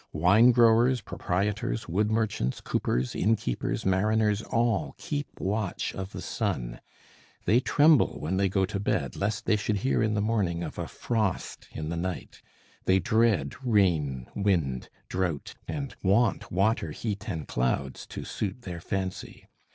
Wine growers, proprietors, wood merchants, coopers, inn keepers, mariners, all keep watch of the sun. They tremble when they go to bed lest they should hear in the morning of a frost in the night; they dread rain, wind, drought, and want water, heat, and clouds to suit their fancy.